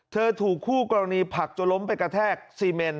เธอถูกคู่กรณีผักโจร้มไปกระแทกซีเมน